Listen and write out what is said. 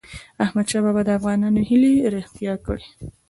احمدشاه بابا د افغانانو هیلې رښتیا کړی.